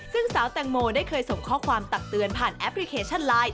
ซึ่งสาวแตงโมได้เคยส่งข้อความตักเตือนผ่านแอปพลิเคชันไลน์